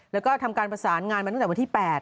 แล้วก็ทำการประสานงานมาตั้งแต่วันที่๘